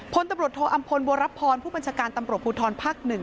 พลตำรวจโทอำพลบัวรับพรผู้บัญชาการตำรวจภูทรภาค๑